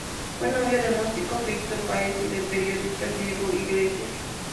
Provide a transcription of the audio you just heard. Fue novia del músico Fito Páez y del periodista Diego Iglesias.